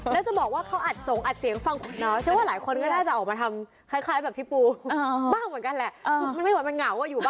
แล้วจะบอกว่าเขาอัดส่งอัดเสียงฟังคุณ